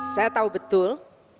saya tahu betul